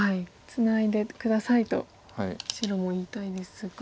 ツナいで下さいと白も言いたいですが。